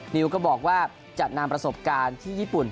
นิวก็บอกว่าจะนำประสบการณ์ที่ญี่ปุ่น